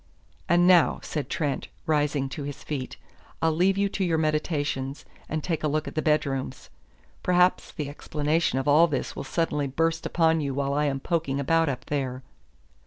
"And now," said Trent, rising to his feet, "I'll leave you to your meditations, and take a look at the bedrooms. Perhaps the explanation of all this will suddenly burst upon you while I am poking about up there.